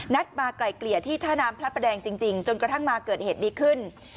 นัดมาไกล่เกลี่ยที่ท่านามพระแดงจริงจริงจนกระทั่งมาเกิดเหตุดีขึ้น